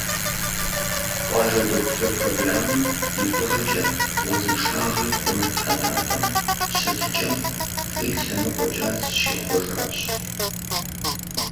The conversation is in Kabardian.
«Къуажэ дохутыр» программэм и фӀыгъэкӀэ, узыншагъэр хъумэн ӀэнатӀэм щытыкӀэм фӀы и лъэныкъуэкӀэ зыщихъуэжащ.